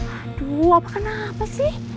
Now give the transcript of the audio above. aduh apa apaan sih